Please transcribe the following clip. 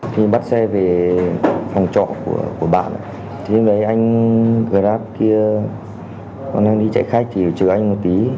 khi bắt xe về phòng trọ của bạn anh grab kia đang đi chạy khách chờ anh một tí